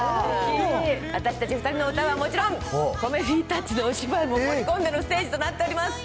私たち２人の歌はもちろん、コメディータッチのお芝居も盛り込んでのステージとなっております。